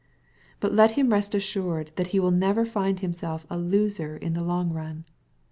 But let him rest assured that he will never find himself a loser in the long run.